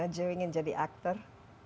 jewy ingin jadi aktor